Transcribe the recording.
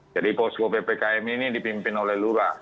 jadi posko ppkm ini dipimpin oleh lura